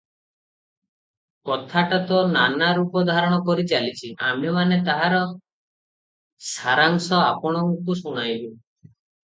କଥାଟା ତ ନାନା ରୂପ ଧାରଣ କରି ଚାଲିଛି, ଆମ୍ଭେମାନେ ତାହାର ସାରାଂଶ ଆପଣଙ୍କୁ ଶୁଣାଇବୁ ।